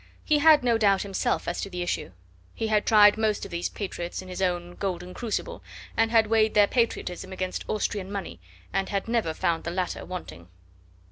He had no doubt himself as to the issue. He had tried most of these patriots in his own golden crucible, and had weighed their patriotism against Austrian money, and had never found the latter wanting.